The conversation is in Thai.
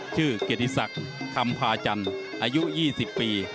ชื่อเกดิสักคำพาจันอายุ๒๐ปี